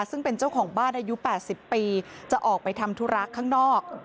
ซึ่งเป็นเจ้าของบ้านอายุ๘๐ปีจะออกไปทำธุระข้างนอก